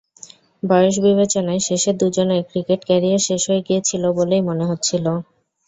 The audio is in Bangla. বয়স বিবেচনায় শেষের দুজনের ক্রিকেট ক্যারিয়ার শেষ হয়ে গিয়েছিল বলেই মনে হচ্ছিল।